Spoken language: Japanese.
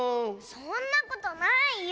そんなことないよ！